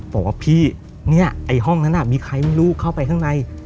บอกว่าพี่เนี่ยไอ้ห้องนั้นมีใครไม่รู้เข้าไปข้างใน